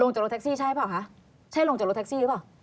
จากรถแท็กซี่ใช่เปล่าคะใช่ลงจากรถแท็กซี่หรือเปล่า